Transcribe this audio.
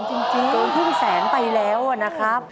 จริงโดนครึ่งแสนไปแล้วนะครับ